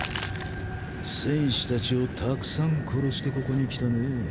戦士達をたくさん殺してここに来たね。